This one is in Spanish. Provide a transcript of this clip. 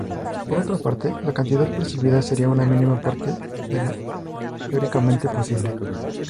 Por otra parte, la cantidad percibida sería una mínima parte de la teóricamente posible.